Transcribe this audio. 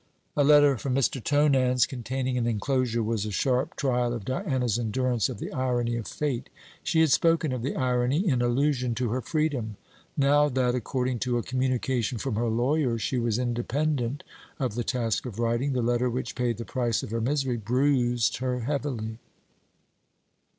A letter from Mr. Tonans, containing an enclosure, was a sharp trial of Diana's endurance of the irony of Fate. She had spoken of the irony in allusion to her freedom. Now that, according to a communication from her lawyers, she was independent of the task of writing, the letter which paid the price of her misery bruised her heavily.